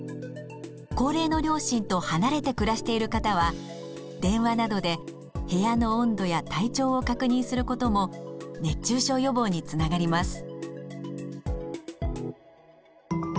高齢の両親と離れて暮らしている方は電話などで部屋の温度や体調を確認することも熱中症予防につながります。